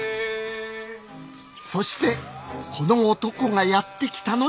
そしてこの男がやって来たのでございます。